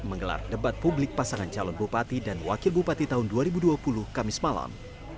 menggelar debat publik pasangan calon bupati dan wakil bupati tahun dua ribu dua puluh kamis malam